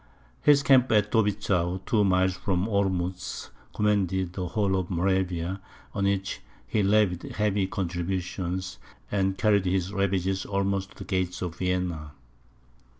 His camp at Dobitschau, two miles from Olmutz, commanded the whole of Moravia, on which he levied heavy contributions, and carried his ravages almost to the gates of Vienna.